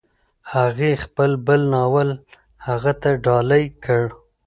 هغې خپل بل ناول هغه ته ډالۍ کړ.